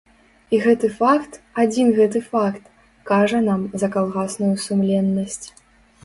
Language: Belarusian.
І гэты факт, адзін гэты факт кажа нам за калгасную сумленнасць.